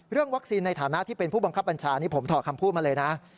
วัคซีนในฐานะที่เป็นผู้บังคับบัญชานี่ผมถอดคำพูดมาเลยนะ